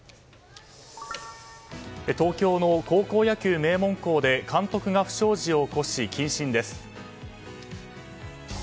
東京の高校野球名門校で監督が不祥事を起こし謹慎です。